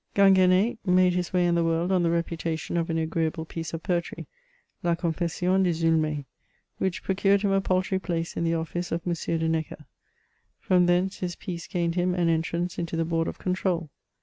Gingu&i^ made his way in the world on the repu tation of an agreeable piece of poetry. La Confession de Zulme^ which procured him a paltry place in the office of M. de Necker ; from thence his piece gained him an entrance into the Board of Controul.